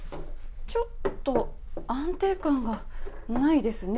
ちょっと安定感がないですね。